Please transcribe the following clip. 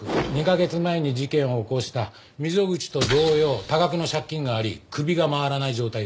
２カ月前に事件を起こした溝口と同様多額の借金があり首が回らない状態でした。